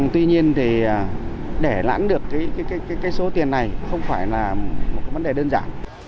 tuy nhiên thì để lãn được cái số tiền này không phải là một vấn đề đơn giản